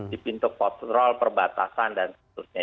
di pintu kontrol perbatasan dan seterusnya